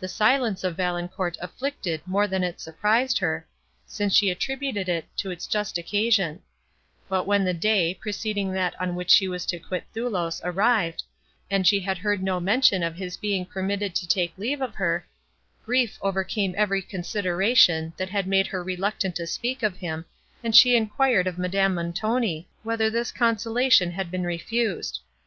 The silence of Valancourt afflicted more than it surprised her, since she attributed it to its just occasion; but, when the day, preceding that, on which she was to quit Thoulouse, arrived, and she had heard no mention of his being permitted to take leave of her, grief overcame every consideration, that had made her reluctant to speak of him, and she enquired of Madame Montoni, whether this consolation had been refused.